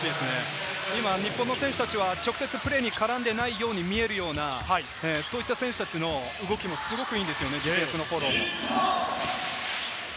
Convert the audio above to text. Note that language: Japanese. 今、日本の選手たちは直接プレーに絡んでいないように見えるような、そういった選手たちの動きもすごくいいですね、ディフェンスのフォローも。